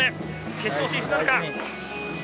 決勝進出なるか。